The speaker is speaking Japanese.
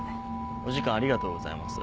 お時間ありがとうございます。